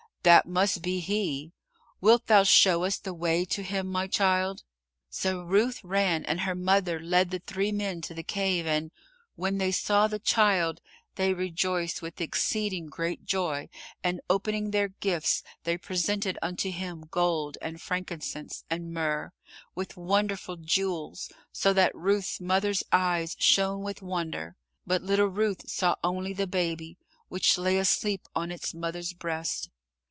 "That must be he. Wilt thou show us the way to Him, my child?" So Ruth ran and her mother led the three men to the cave and "when they saw the Child, they rejoiced with exceeding great joy, and opening their gifts, they presented unto Him gold, and frankincense and myrrh," with wonderful jewels, so that Ruth's mother's eyes shone with wonder, but little Ruth saw only the Baby, which lay asleep on its mother's breast.